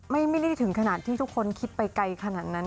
ไม่ได้ถึงขนาดที่ทุกคนคิดไปไกลขนาดนั้น